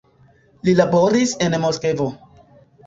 Li laboris en Moskvo.